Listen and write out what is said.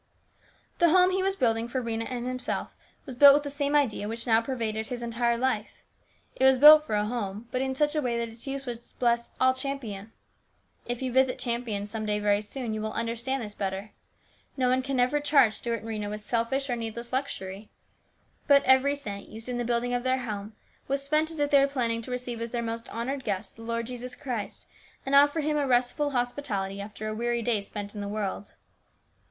The home he was building for Rhena and himself was built with the same idea which now pervaded his entire life. It was built for a home, but in such a way that its use would bless all Champion. If you visit Champion some day very soon, you will under stand this better. No one can ever charge Stuart and Rhena with selfish or needless luxury. But every cent used in the building of their home was spent as if they were planning to receive as their most honoured guest the Lord Jesus Christ and offer Him a restful hospitality after a weary day spent in the world.